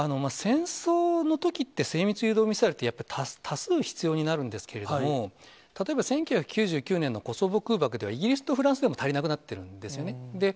戦争のときって、精密誘導ミサイルってやっぱ多数必要になるんですけれども、例えば、１９９９年のコソボ空爆ではイギリスとフランスでも足りなくなってるんですよね。